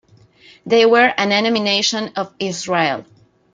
They were an enemy nation of Israel.